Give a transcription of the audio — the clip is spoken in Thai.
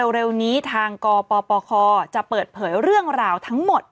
เร็วนี้ทางกปปคจะเปิดเผยเรื่องราวทั้งหมด